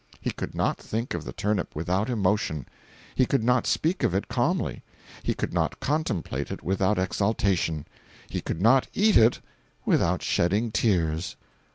He could not think of the turnip without emotion; he could not speak of it calmly; he could not contemplate it without exaltation. He could not eat it without shedding tears.